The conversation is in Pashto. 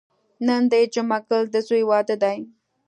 نن د جمعه ګل د ځوی واده دی.